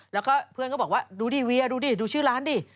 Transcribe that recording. แล้วก็เพื่อนก็บอกว่าดูดิเวียดูดิดูชื่อร้านดิ